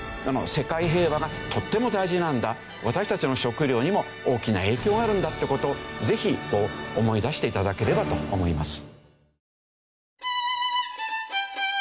世界平和がとっても大事なんだ私たちの食料にも大きな影響があるんだって事をぜひ思い出して頂ければと思います。